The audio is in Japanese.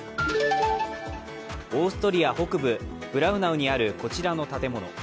オーストリア北部ブラウナウにあるこちらの建物。